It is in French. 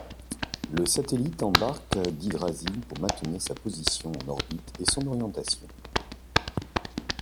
Le satellite embarque d'hydrazine pour maintenir sa position en orbite et son orientation.